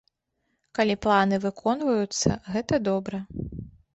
Калі планы выконваюцца, гэта добра.